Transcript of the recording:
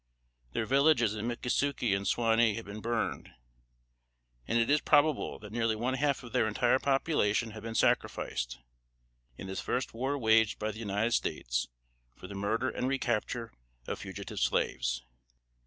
Their villages at Mickasukie and Suwanee had been burned; and it is probable that nearly one half of their entire population had been sacrificed, in this first war waged by the United States for the murder and recapture of fugitive slaves.